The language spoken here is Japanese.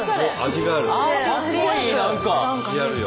味あるよ。